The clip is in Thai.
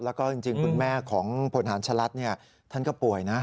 แล้วก็จริงคุณแม่ของพลฐานชะลัดท่านก็ป่วยนะ